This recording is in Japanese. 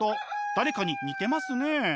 誰かに似てますね。